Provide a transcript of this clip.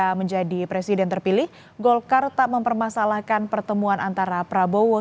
jika menjadi presiden terpilih golkar tak mempermasalahkan pertemuan antara prabowo